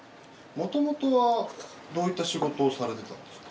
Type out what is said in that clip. もともとはどういった仕事をされてたんですか？